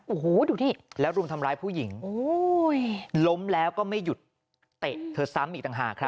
โอ้โหดูดิแล้วรุมทำร้ายผู้หญิงล้มแล้วก็ไม่หยุดเตะเธอซ้ำอีกต่างหากครับ